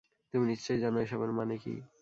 তুমি নিশ্চয়ই জানো এসবের মানে কি।